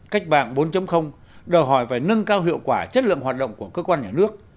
cách mạng bốn đòi hỏi phải nâng cao hiệu quả chất lượng hoạt động của cơ quan nhà nước